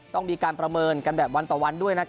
ต้องมีการประเมินกันแบบวันต่อวันด้วย